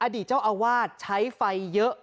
อดีตเจ้าอาวาสใช้ไฟเยอะ